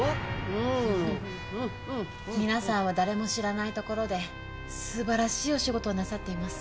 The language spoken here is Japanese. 皆さんは誰も知らないところで素晴らしいお仕事をなさっています。